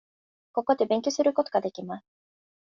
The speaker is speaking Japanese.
ここで勉強することができます。